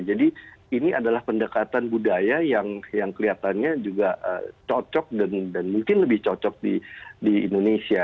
jadi ini adalah pendekatan budaya yang kelihatannya juga cocok dan mungkin lebih cocok di indonesia